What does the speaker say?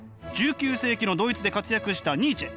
１９世紀のドイツで活躍したニーチェ。